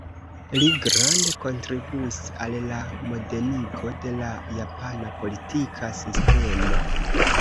Li grande kontribuis al la modenigo de la japana politika sistemo.